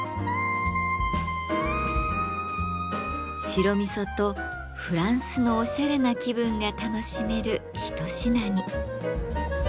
白味噌とフランスのおしゃれな気分が楽しめる一品に。